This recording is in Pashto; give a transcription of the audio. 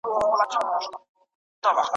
دا وسایل وخت سپموي.